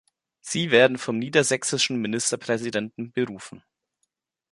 Sie werden vom Niedersächsischen Ministerpräsidenten berufen.